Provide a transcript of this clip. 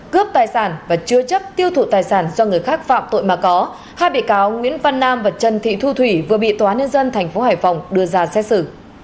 cướp tài sản và chứa chấp tiêu thụ tài sản do người khác phạm tội mà có hai bị cáo nguyễn văn nam và trần thị thu thủy vừa bị tòa nhân dân tp hải phòng đưa ra xét xử